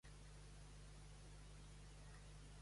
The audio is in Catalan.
Què s'ha celebrat abans que aquests dies assenyalats?